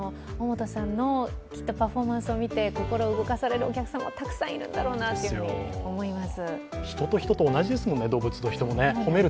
きっとパフォーマンスを見て、心を動かされるお客さんたくさんいるんだろうなと思います。